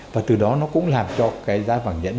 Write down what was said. và từ đó nó cũng làm cho cái giá vàng nhẫn